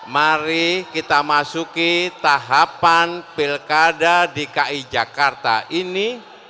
mari kita masuki tahapan pilkada di ki jakarta ini